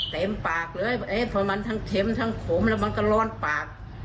เต็มปากเลยเพราะมันทั้งเข็มทั้งขมแล้วมันก็ร้อนปาก